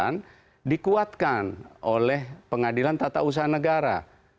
yang dikuatkan oleh pengadilan tata usaha negara